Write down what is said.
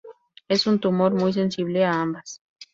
Es un tumor muy sensible a ambas.